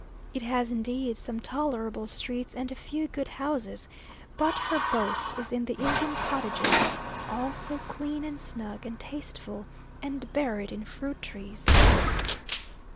It has indeed some tolerable streets and a few good houses; but her boast is in the Indian cottages all so clean and snug, and tasteful, and buried in fruit trees.